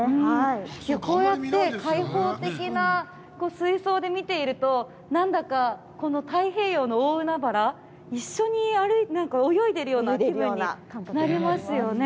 こうやって開放的な水槽で見ていると、何だかこの太平洋の大海原、一緒に泳いでるような気分になりますよね。